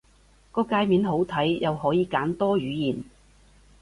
個介面好睇，又可以揀多語言